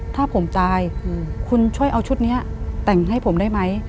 ถ้าผมจ่ายคุณช่วยเอาชุดนี้แต่งให้ผมได้ไหม